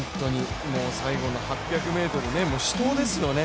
最後の８００ｍ、死闘ですよね。